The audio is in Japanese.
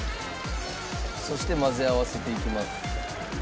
そして混ぜ合わせていきます。